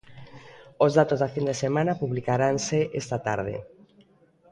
Os datos da fin de semana publicaranse esta tarde.